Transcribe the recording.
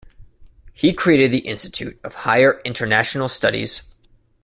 He created the Institute of Higher International Studies.